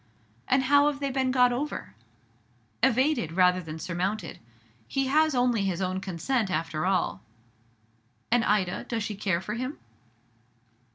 "And how have they been got over?" "Evaded rather than surmounted. He has only his own consent after all." "And Ida, does she care for him?"